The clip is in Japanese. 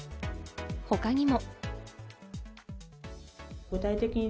他にも。